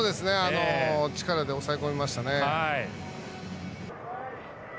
力で抑え込みましたね。